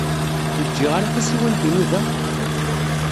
Ur ǧǧiɣ ara tasiwant-inu da?